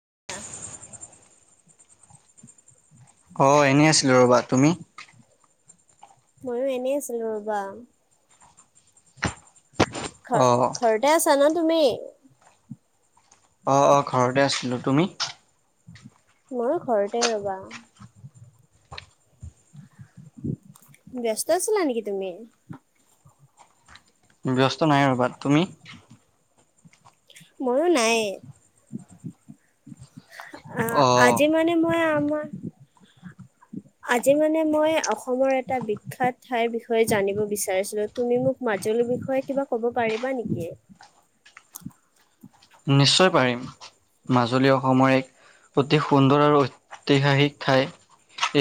হ [inaudible] অঁ এনেই আছিলো ৰ'বা তুমি ময়ো এনেই আছিলো ৰ'বা। ঘ অ ঘৰতে আছে না। তুমি অ অ ঘৰতে আছিলো তুমি ময়ো ঘৰতে ৰবা ব্যস্ত আছিল নেকি তুমি ব্যস্ত নাই ৰবাত তুমি ময়ো নাই অ আজি মানে মই মই। আজি মানে মই অসমৰ এটা বিখ্যাত ঠাইৰ বিষয়ে জানিব বিচাৰিছিলো তুমি মোক মাজুলীৰ বিষয়ে কিবা কব পাৰিবা নেকি নিশ্চয় পাৰিম মাজুলী অসমৰ এক অতি সুন্দৰ আৰু ঐতিহাসিক ঠাই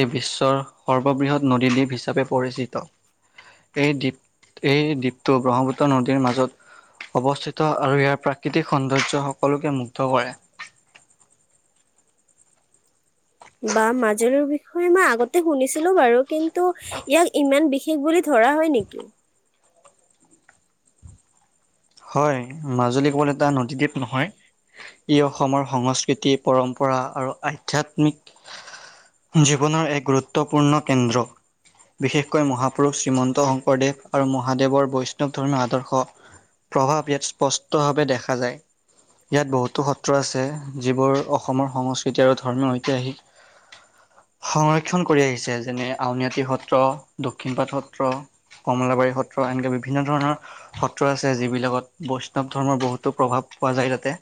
এই বিশ্বৰ সৰ্ববৃহৎ নদীদ্বীপ হিচাপে পৰিচিত এই দ্বীপ এই দ্বীপটো ব্ৰহ্মপুত্ৰ নদীৰ মাজত অৱস্থিত আৰু ইয়াৰ প্ৰাকৃতিক সৌন্দৰ্য সকলোকে মুগ্ধ কৰে বা মাজুলীৰ বিষয়ে মই আগতে শুনিছিলো বাৰু কিন্তু ইয়াক ইমান বিশেষ বুলি ধৰা হয় নেকি হয় মাজুলী কৱলে এটা নদীদ্বীপ নহয় ই অসমৰ সংস্কৃতি পৰম্পৰা আৰু আধ্যাত্মিক জীৱনৰ এক গুৰুত্বপূৰ্ণ কেন্দ্ৰ বিশেষকৈ মহাপুৰুষ শ্ৰীমন্ত শংকৰদেৱ আৰু মহাদেৱৰ বৈষ্ণৱ ধৰ্মীয় আদৰ্শ প্ৰভাৱ ইয়াত স্পষ্ট ভাৱে দেখা যায় ইয়াত বহুতো সত্ৰ আছে যিবোৰ অসমৰ সংস্কৃতি আৰু ধৰ্মীয় ঐতিহাসিক সংৰক্ষণ কৰি আহিছে যেনে আউনীআটী সত্ৰ দক্ষিণপাট সত্ৰ কমলাবাৰী সত্ৰ এনেকা বিভিন্ন ধৰণৰ সত্ৰ আছে যিবিলাকত বৈষ্ণৱ ধৰ্মৰ বহুতো প্ৰভাৱ পোৱা যায় তাতে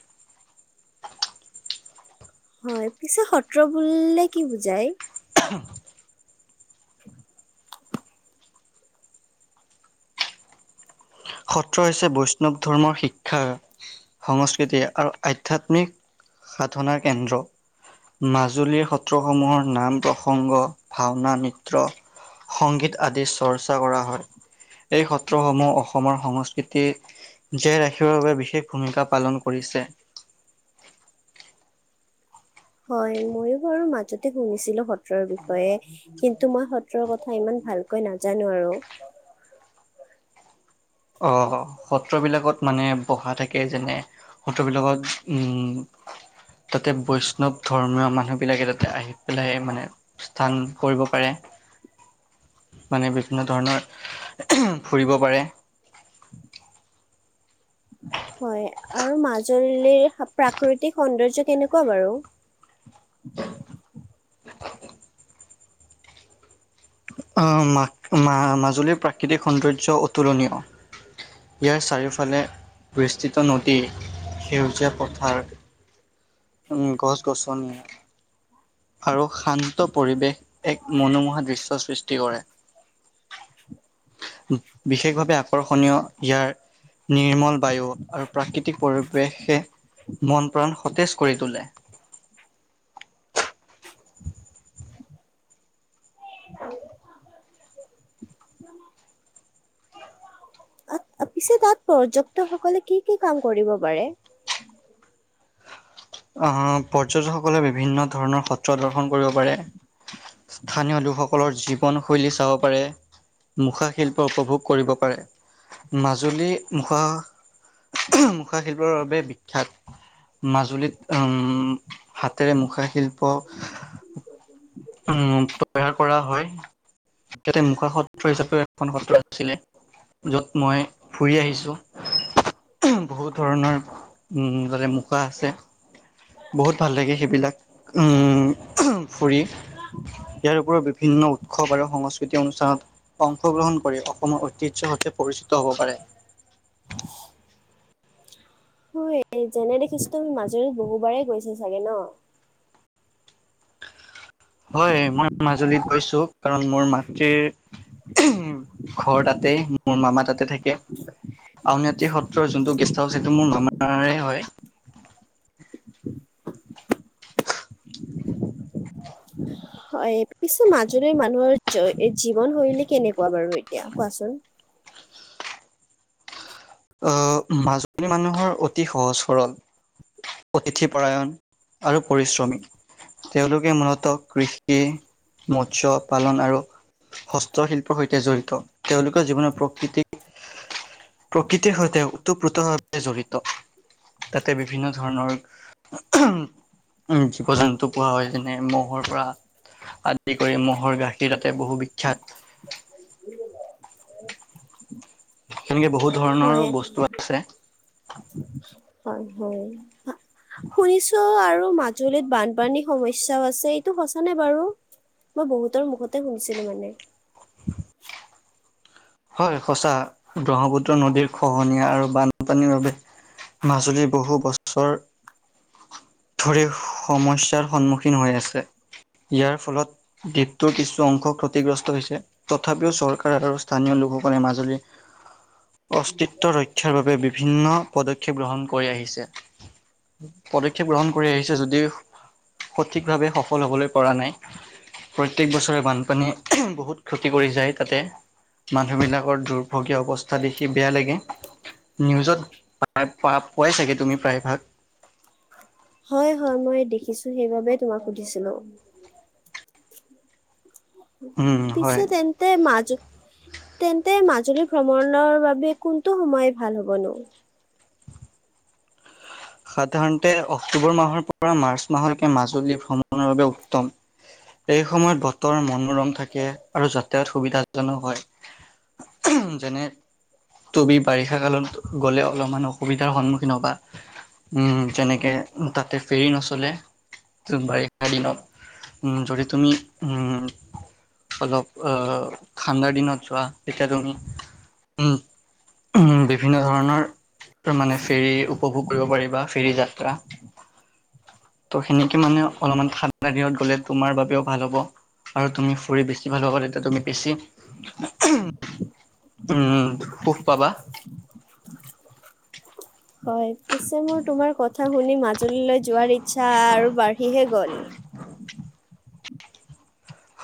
হয় পিছে সত্ৰ বুলে কি বুজাই [unintelligible] উ [unintelligible] সত্ৰ হৈছে বৈষ্ণৱ ধৰ্মৰ শিক্ষা সংস্কৃতি আৰু আধ্যাত্মিক সাধনাৰ কেন্দ্ৰ মাজুলীৰ সত্ৰসমূহৰ নাম প্ৰসংগ ভাওনা নৃত্য সংগীত আদিৰ চৰ্চা কৰা হয় এই সত্ৰসমূহ অসমৰ সংস্কৃতি জীয়াই ৰাখিবৰ বাবে বিশেষ ভূমিকা পালন কৰিছে হয় ময়ো বাৰু মাজতে শুনিছিলো সত্ৰৰ বিষয়ে কিন্তু মই সত্ৰৰ কথা ইমান ভালকৈ নাজানো আৰু আহ সত্ৰবিলাকত মানে বহা থাকে যেনে সত্ৰবিলাকত উম তাতে বৈষ্ণৱ ধৰ্মীয় মানুহ বিলাকে তাতে আহি পেলাই মানে স্থান কৰিব পাৰে মানে বিভিন্ন ধৰণৰ ফুৰিব পাৰে হয় আৰু মাজুলীৰ প্ৰাকৃতিক সৌন্দৰ্য কেনেকুৱা বাৰু অ মা মা মাজুলীৰ প্ৰাকৃতিক সৌন্দৰ্য অতুলনীয় ইয়াৰ চাৰিওফালে বিস্তৃত নদী সেউজীয়া পথাৰ উ গছ গছনি আৰু শান্ত পৰিৱেশ এক মনোমোহা দৃশ্য সৃষ্টি কৰে বিশেষভাৱে আকৰ্ষণীয় ইয়াৰ নিৰ্মল বায়ু আৰু প্ৰাকৃতিক পৰিৱেশে মন প্ৰাণ সতেজ কৰি তোলে আত- পিছে তাত পৰ্যটসকলে কি কি কাম কৰিব পাৰে আহ পৰ্যটকসকলে বিভিন্ন ধৰণৰ সত্ৰ দৰ্শন কৰিব পাৰে স্থানীয় লোকসকলৰ জীৱনশৈলী চাব পাৰে মুখাশিল্প উপভোগ কৰিব পাৰে মাজুলী মুখা মুখাশিল্পৰ বাবে বিখ্যাত মাজুলীত উম হাতেৰে মুখাশিল্প উ তৈয়াৰ কৰা হয় ইয়াতে মুখা সত্ৰ হিচাপেও এখন সত্ৰ আছিলে যত মই ফুৰি আহিছো বহুত ধৰণৰ উম তাতে মুখা আছে বহুত ভাল লাগে সেইবিলাক উম ফুৰি ইয়াৰ উপৰিও বিভিন্ন উৎসৱ আৰু সংস্কৃতি অনুষ্ঠানত অংশগ্ৰহণ কৰি অসমৰ ঐতিহ্যৰ সৈতে পৰিচিত হব পাৰে হয় যেনে দেখিছো মাজুলীত বহুবাৰে গৈছা চাগে ন হয় মই মাজুলীত কৈছো কাৰণ মোৰ মাতৃৰ ঘৰ তাতেই মোৰ মামা তাতে থাকে আউনীআটী সত্ৰৰ যোনটো গেষ্ট হাউচ সেইটো মোৰ মামাৰে হয় হয় পিছে মাজুলীত মানুহৰ জীৱনশৈলী কেনেকুৱা বাৰু এতিয়া কোৱাচোন আহ মাজুলী মানুহৰ অতি সহজ সৰল অতিথিপৰায়ণ আৰু পৰিশ্ৰমী তেওঁলোকে মূলত কৃষি মৎস্য পালন আৰু হস্তশিল্পৰ সৈতে জড়িত তেওঁলোকৰ জীৱনৰত প্ৰকৃতি প্ৰকৃতিৰ সৈতে ওতঃপ্ৰোতভাৱে জড়িত তাতে বিভিন্ন ধৰণৰ জীৱ জন্তু পোৱা হয় যেনে মহ'ৰ পৰা আদি কৰি মহ'ৰ গাখীৰ বহু বিখ্যাত সেনেকে বহুত ধৰণৰ হয় বস্তু আছে হয় হয় শুনিছো আৰু মাজুলীত বানপানী সমস্যাও আছে এইটো সঁচা নে বাৰু মই বহুতৰ মুখতে শুনিছিলো মানে হয় সঁচা ব্ৰহ্মপুত্ৰ নদীৰ খহনীয়া আৰু বানপানীৰ বাবে মাজুলীৰ বহু বছৰ ধৰি সমস্যয়াৰ সন্মুখীন হৈ আছে ইয়াৰ ফলত দ্বীপটোৰ কিছু অংশ ক্ষতিগ্ৰস্ত হৈছে তথাপিও চৰকাৰ আৰু স্থানীয় লোকসকলে মাজুলী অস্তিত্ব ৰক্ষাৰ বাবে বি ভিন্ন পদক্ষেপ গ্ৰহণ কৰি আহিছে। পদক্ষেপ গ্ৰহণ কৰি আহিছে যদিও, সঠিকভাৱে সফল হবলৈ পৰা নাই। প্ৰত্যেক বছৰে বানপানী বহুত ক্ষতি কৰি যায় তাতে। মানুহবিলাকৰ দুৰ্ভগীয়া অৱস্থা দেখি বেয়া লাগে। নিউজত পোৱা-পোৱাই চাগে তুমি প্ৰায়ভাগ। হয় হয়, মই দেখিছো সেইবাবে তোমাক সুধিছিলো। উম পিছে হয়। তেন্তে মাজু তেন্তে মাজুলী ভ্ৰমণৰ বাবে কোনটো সময় ভাল হবনো? সাধাৰণতে অক্টোবৰ মাহৰ পৰা মাৰ্চ মাহৰলৈকে মাজুলী ভ্ৰমণৰ বাবে উত্তম। এই সময়ত বতৰ মনোৰম থাকে আৰু যাতায়ত সুবিধাজনক হয়। যেনে তুমি বাৰিষা কালত গলে অলপমান অসুবিধাৰ সন্মুখীন হবা। উম, যেনেকে তাতে ফেৰী নচলে বাৰিষা দিনত। উ যদি তুমি উম, অলপ ঠাণ্ডাৰ দিনত যোৱা তেতিয়া তুমি, উম উ বিভিন্ন ধৰণৰ মানে ফেৰী উপভোগ কৰিব পাৰি ফেৰী যাত্ৰা। ত' সেনেকে মানে অলপমান ঠাণ্ডা দিনত গলে তোমাৰ বাবেও ভাল হ'ব আৰু তুমি ফুৰি বেছি ভাল পাবা তেতিয়া তুমি বেছি, উম সুখ পাবা। হয়। পিছে মোৰ তোমাৰ কথা শুনি মাজুলীলৈ যোৱাৰ ই আচ্ছা আৰু বাঢ়িহে গল।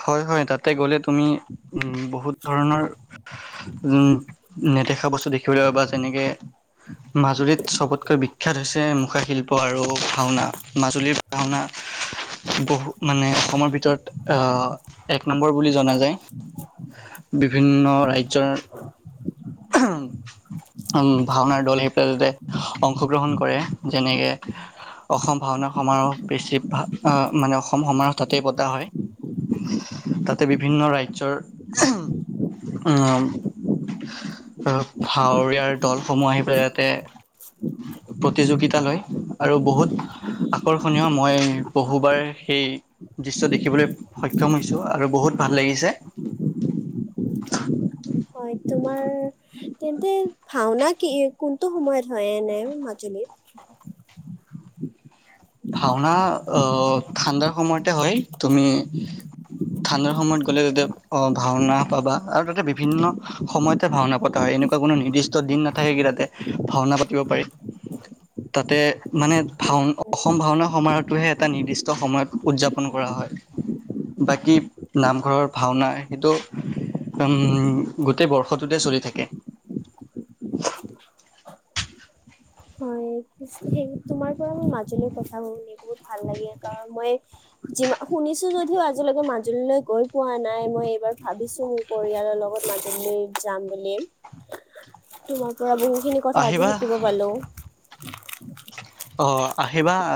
হয় হয় তাতে গ'লে তুমি উম বহুত ধৰণৰ, উম নেদেখা বস্তু দেখিবলৈ পাবা যেনেকে, মাজুলীত চবতকৈ বিখ্যাত হৈছে মুখাশিল্প আৰু ভাওনা। মাজুলীৰ ভাওনা বহু মানে অসমৰ ভিতৰত আহ এক নম্বৰ বুলি জনা যায়। বিভিন্ন ৰাজ্যৰ, উ ভাওনাৰ দল সেইবাতে অংশগ্ৰহণ কৰে যেনেকে অসম ভাওনাৰ সমাৰোহ বেছি আ মানে অসম সমাৰোহ তাতেই পতা হয়। তাতে বিভিন্ন ৰাজ্যৰ, উ আহ ভাওৰীয়াৰ দলসমূহ আহি পেলাই তাতে প্ৰতিযোগিতা লয়, আৰু বহুত আকৰ্ষণীয় মই বহুবাৰ সেই দৃশ্য দেখিবলৈ সক্ষম হৈছো আৰু বহুত ভাল লাগিছে। হয়, তোমাৰ তেন্তে ভাওনা কি কোনটো সময়ত হয় এনে মাজুলীত? ভাওনা অঁ ঠাণ্ডাৰ সময়তে হয়। তুমি, ঠাণ্ডাৰ সময়ত গ'লে তাতে, অ ভাওনা পাবা, আৰু তাতে বিভিন্ন সময়তে ভাওনা পতা হয় এনেকুৱা কোনো নিৰ্দিষ্ট দিন নাথাকে কি তাতে ভাওনা পাতিব পাৰি। তাতে মানে হয় ভাওনা হয়। অসম ভাওনা সমাৰোহটোহে এটা নিৰ্দিষ্ট সময়ত উদযাপন কৰা হয়। বাকী নামঘৰৰ ভাওনা সেইটো উম, গোটেই বৰ্ষটোতে চলি থাকে। হয়, তোমাৰ পৰা মই মাজুলীৰ কথা শুনি বহুত ভাল লাগে কাৰণ মই যি শুনিছো যদিও আজিলৈকে মাজুলীলৈ গৈ পোৱা নাই, মই এইবাৰ ভাবিছো মোৰ পৰিয়ালৰ লগত মাজুলীলে যাম বুলি। তোমাৰ পৰা বহু সেই খিনি কথা আজি আহিবা শিকিব পালো। [unintelligible] অ আহিবা আ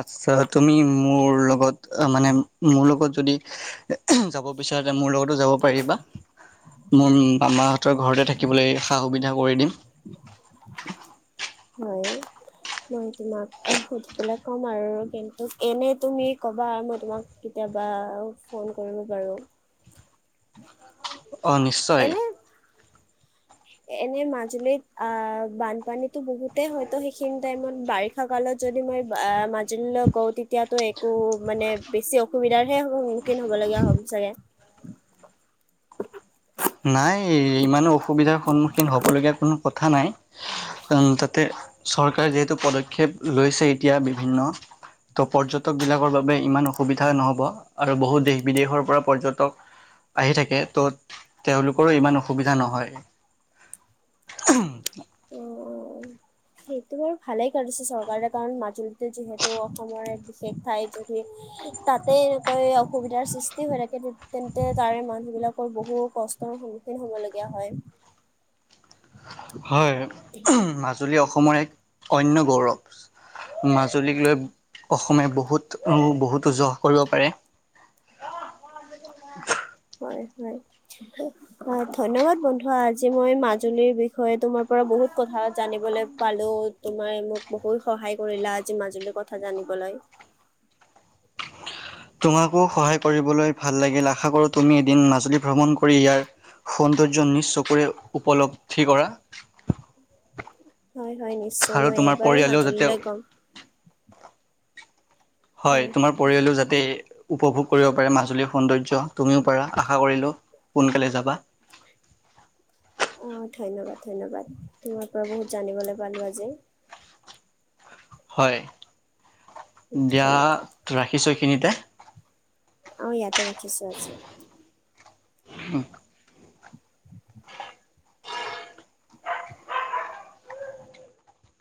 তুমি মোৰ লগত আ মানে মোৰ লগত যদি, যাব বিচাৰ তে মোৰ লগতো যাব পাৰিবা। মোৰ মামাহতৰ ঘৰতে থাকিবলৈ সা-সুবিধা কৰি দিম। মই তোমাক আ সুধিপেলাই কম আৰু কিন্ত, এনে তুমি কবা মই তোমাক কেতিয়াবা ফন কৰিব পাৰো। অ, নিশ্চয়। এনে এনে মাজুলীত আ, বানপানীটো বহুতে হয়তু সেইখিনি টাইমত বাৰিষা কালত যদি মই আ, মাজুলীলৈ গওঁ তেতিয়াতো একো, মানে বেছি অসুবিধাৰ হে হ'ব মোৰ খীন হ'বলগীয়া হম চাগে। [inaudible] নাই, ই-ইমানো অসুবিধাৰ সন্মুখীন হ'ব লগীয়া কোনো কথা নাই। কিয়নো তাতে চৰকাৰে যিহেতু পদক্ষেপ লৈছে এতিয়া বিভিন্ন। ত' পৰ্যটক বিলাকৰ বাবে ইমান অসুবিধা নহ'ব আৰু বহুত দেশ-বিদেশৰ পৰা পৰ্যটক আহি থাকে, ত' তেওঁলোকৰো ইমান অসুবিধা নহয়। অ', সেইটো বাৰু ভালেই কৰিছে চৰকাৰে কাৰণ মাজুলীতটো যিহেতু অসমৰ এক বিশেষ ঠাই যদি, তাতে এনেকৈ অসুবিধাৰ সৃষ্টি হৈ থাকে তে তেন্তে তাৰে মানুহবিলাক কৰ বহু কষ্টৰ সন্মুখীন হ'বলগীয়া হয়। হয়। উহ্ মাজ মাজুলী অসমৰ এক অন্য গৌৰৱ, মাজুলীক লৈ অসমে বহুত-বহুতো যহ কৰিব পাৰে। হয়-হয়। হয়, ধন্যবাদ বন্ধু আজি মই মাজুলীৰ বিষয়ে তোমাৰ পৰা বহুত কথা জানিবলে পালো। তুমাৰ মোক বহুত সহায় কৰিলা আজি মাজুলীৰ কথা জানিবলৈ। তোমাকো সহায় কৰিবলৈ ভাল লাগিল। আশা কৰো, তুমি এদিন মাজুলী ভ্ৰমণ কৰি ইয়াৰ সৌন্দৰ্য নিজ চকুৰে উপলব্ধি কৰা। হয়, হয়, নিশ্চয়। আৰু মই তোমাৰ এইবাৰ পৰিয়ালেও যাতে মাজুলীলৈ গম হয়, তোমাৰ পৰিয়ালো যাতে উপভোগ কৰিব পাৰে মাজুলীৰ সৌন্দৰ্য। তুমিও পাৰা, আশা কৰিলোঁ সোনকালে যাবা। অ, ধন্যবাদ-ধন্যবাদ। তোমাৰ পৰা বহুত জানিবলে পালো আজি। হয়। দিয়া ধন্যবাদ। ৰাখিছো। এইখ খিনিতে। অ, ইয়াত তে ৰাখিছো আজি। হোমহ